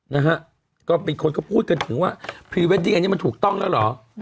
นะฮะก็เป็นคนก็พูดกันถึงว่าพรีเวดดิ้งอันนี้มันถูกต้องแล้วเหรอ